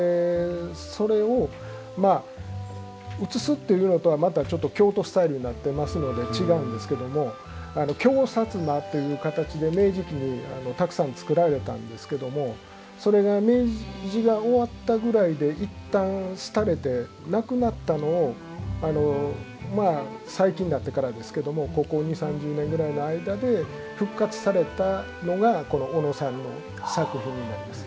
それをうつすというのとはちょっと京都スタイルになるので違うんですけど「京薩摩」っていう形で明治期にたくさん作られたんですがそれが、明治が終わったくらいでいったん、廃れてなくなったのを最近になってからですけどもここ２０３０年ぐらいの間で復活されたのがこの小野さんの作品になります。